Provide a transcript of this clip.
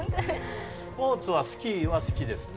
スポーツは好きは好きですね。